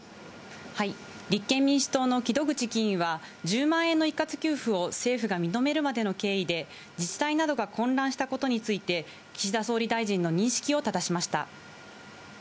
立憲民主党のきどぐち議員は１０万円の一括給付を政府が認めるまでの経緯で、自治体などが混乱したことについて、岸田総理大臣の認識をただしました。